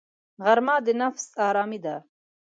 غرمه د نفس آرامي ده